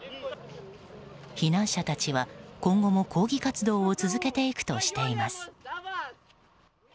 避難者たちは今後も抗議活動を続けていくとしています。